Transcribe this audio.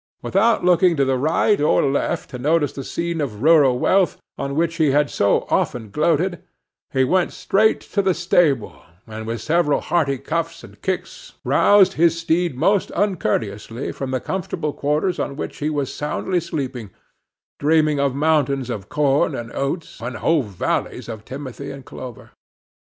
Without looking to the right or left to notice the scene of rural wealth, on which he had so often gloated, he went straight to the stable, and with several hearty cuffs and kicks roused his steed most uncourteously from the comfortable quarters in which he was soundly sleeping, dreaming of mountains of corn and oats, and whole valleys of timothy and clover.